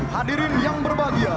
hadirin yang berbahagia